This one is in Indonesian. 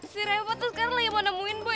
si reva tuh sekarang lagi mau nemuin boy